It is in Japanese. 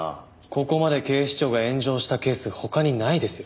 ここまで警視庁が炎上したケース他にないですよ。